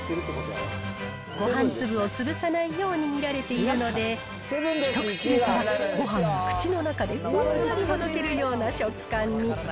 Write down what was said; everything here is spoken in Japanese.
ごはん粒を潰さないように握られているので、一口目からごはんが口の中でふんわりほどけるような食感に。